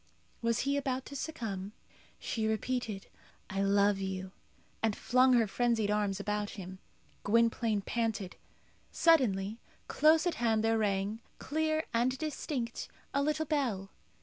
Was he about to succumb? She repeated, "I love you!" and flung her frenzied arms around him. Gwynplaine panted. Suddenly close at hand there rang, clear and distinct, a little bell.